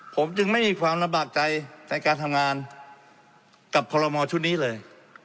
ผมจึงไม่มีความลำบากใจในการทำงานกับคอลโมชุดนี้เลย